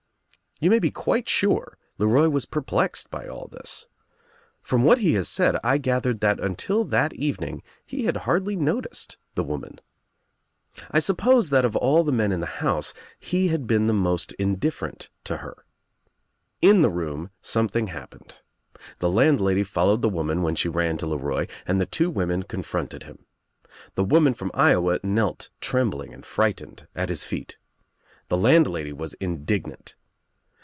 You may be quite sure LeRoy was perplexed by all this. From what he has said I gathered that until that h evening he had hardly noticed the woman. I suppose 28 THE TRIUMPH OF THE EGO that of all the men m the house he had been the most indifferent to her. In the room something happened. The landlady followed the woman when she ran to Lc Roy, and the two women confronted him. The woman from Iowa knelt trembling and frightened at his feet. The landlady was indignant.